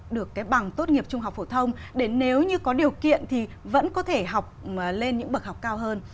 được cái bằng tốt nghiệp trung học phổ thông để nếu như có điều kiện thì vẫn có thể học lên những bậc học cao hơn